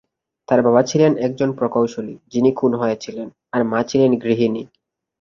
তার বাবা ছিলেন একজন প্রকৌশলী, যিনি খুন হয়েছিলেন, আর মা ছিলেন গৃহিণী।